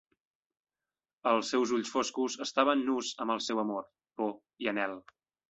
Els seus ulls foscos estaven nus amb el seu amor, por i anhel.